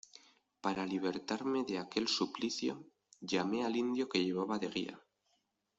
para libertarme de aquel suplicio, llamé al indio que llevaba de guía.